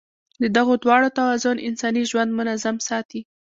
د دغو دواړو توازن انساني ژوند منظم ساتي.